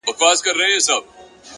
د زده کړې تنده پرمختګ چټکوي.